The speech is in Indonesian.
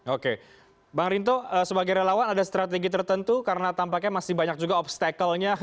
oke bang rinto sebagai relawan ada strategi tertentu karena tampaknya masih banyak juga obstacle nya